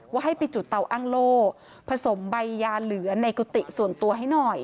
ให้ไปจุดเตาอ้างโล่ผสมใบยาเหลือในกุฏิส่วนตัวให้หน่อย